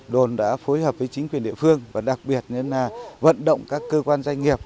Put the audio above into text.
đồn đã phối hợp với chính quyền địa phương và đặc biệt là vận động các cơ quan doanh nghiệp